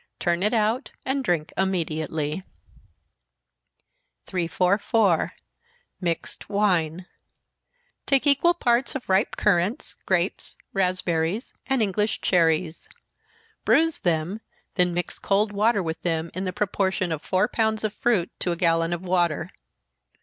Turn it out, and drink immediately. 344. Mixed Wine. Take equal parts of ripe currants, grapes, raspberries, and English cherries. Bruise them, then mix cold water with them, in the proportion of four pounds of fruit to a gallon of water.